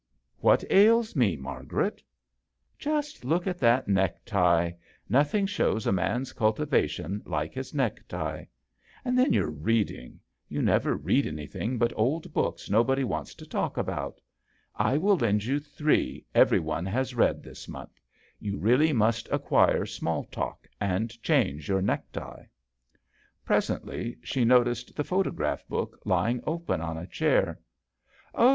" What ails me, Margaret ?"" Just look at that necktie ! Nothing shows a man's culti vation like his necktie. Then your reading ! You never read anything but old books nobody wants to talk about. I will lend you three every one has read this month. You really must acquire small talk and change your neck tie." Presently she noticed the JOHN SHERMAN. 79 photograph book lying open on a chair. " Oh